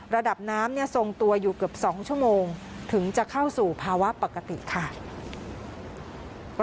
ระดับน้ำทรงตัวอยู่เกือบ๒ชั่วโมงถึงจะเข้าสู่ภาวะปกติค่ะ